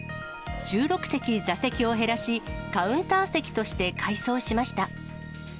席座席を減らし、カウンター席として改装しました。